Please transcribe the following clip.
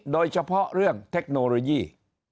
โดยเฉพาะเรื่องเทคโนโลยี